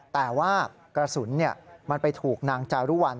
แต่ว่ากระสุนมันไปถูกนางจารุวัล